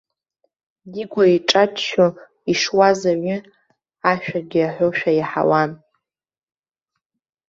Дигәа иҿаччо ишуаз аҩы, ашәагьы аҳәошәа иаҳауан.